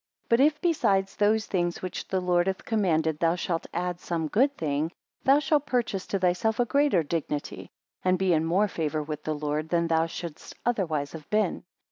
But if besides those things which the Lord hath commanded, thou shalt add some good thing; thou shall purchase to thyself a greater dignity, and be in more favour with the Lord than thou shouldst otherwise have been.